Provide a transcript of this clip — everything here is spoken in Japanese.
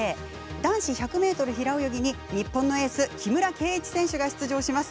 男子１００ｍ平泳ぎに日本のエース木村敬一選手が出場します。